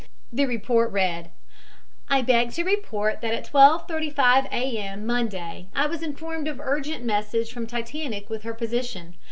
The report read: "I beg to report that at 12.35 A. M. Monday 18th inst. I was informed of urgent message from Titanic with her position.